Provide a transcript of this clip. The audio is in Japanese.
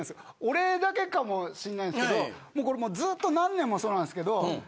俺だけかもしんないんですけどもうこれもうずっと何年もそうなんですけど。